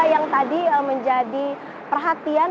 yang tadi menjadi perhatian